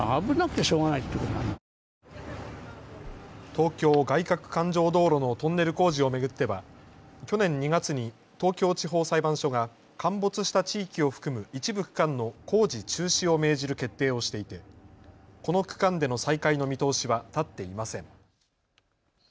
東京外かく環状道路のトンネル工事を巡っては去年２月に東京地方裁判所が陥没した地域を含む一部区間の工事中止を命じる決定をしていてこの区間での再開の見通しは立っていません。